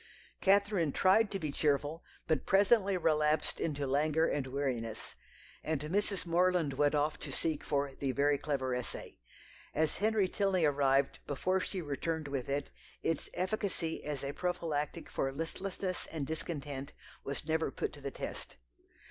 Catherine tried to be cheerful, but presently relapsed into languor and weariness; and Mrs. Morland went off to seek for the "very clever essay." As Henry Tilney arrived before she returned with it, its efficacy as a prophylactic for listlessness and discontent was never put to the test.